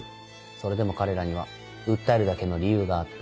それでも彼らには訴えるだけの理由があった。